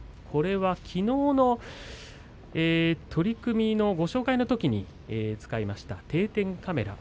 きのうの取組をご紹介のときに使いました定点カメラ。